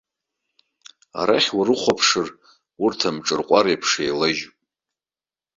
Арахь урыхәаԥшыр, урҭ амҿырҟәара еиԥш еилажьуп.